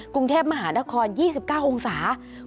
กรุงเทพฯมหานคร๒๙องศาเซลเซียส